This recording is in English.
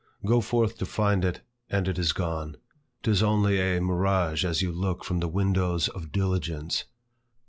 Go forth to find it, and it is gone: 't is only a mirage as you look from the windows of diligence.